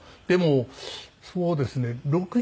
でもそうですね。